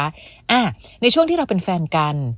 อ่าในช่วงที่เราเป็นแฟนกัน